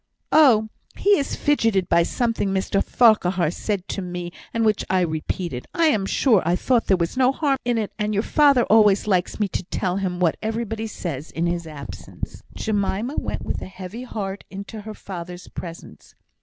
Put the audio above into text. "Oh! he is fidgeted by something Mr Farquhar said to me, and which I repeated. I am sure I thought there was no harm in it, and your father always likes me to tell him what everybody says in his absence." Jemima went with a heavy heart into her father's presence.